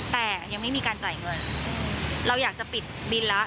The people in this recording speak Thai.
แต่ยังไม่มีการจ่ายเงิน